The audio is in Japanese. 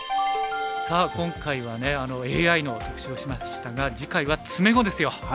さあ今回はねＡＩの特集をしましたが次回は詰碁ですよ。